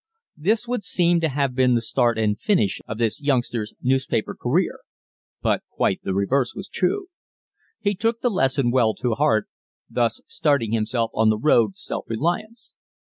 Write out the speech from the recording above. This would seem to have been the start and finish of this youngster's newspaper career, but quite the reverse was true. He took the lesson well to heart, thus starting himself on the road to self reliance.